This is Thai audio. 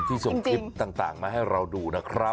ส่งคลิปต่างมาให้เราดูนะครับ